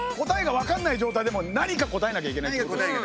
答えが分かんない状態でも何か答えなきゃいけないってこと？